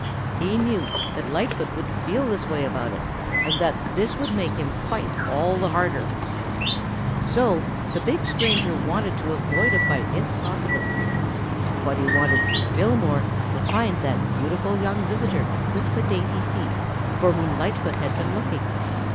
He knew that Lightfoot would feel this way about it and that this would make him fight all the harder. So the big stranger wanted to avoid a fight if possible. But he wanted still more to find that beautiful young visitor with the dainty feet for whom Lightfoot had been looking.